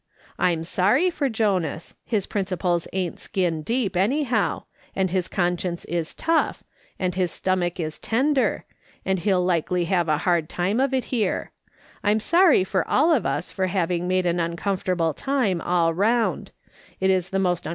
Fm sorry for Jonas, his principles ain't skin deep, anyhow, and his conscience is tough, and his stomach is tender, and he'll likely have a hard time of it here ; I'm sorry for all of us for having made an uncomfortable time all round ; it is the most uu r2 244 ^^^' SOLOMON SMITH LOOKING ON.